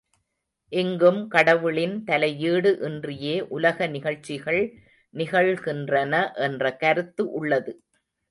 இங்கும் கடவுளின் தலையீடு இன்றியே உலக நிகழ்ச்சிகள் நிகழ்கின்றன என்ற கருத்து உள்ளது.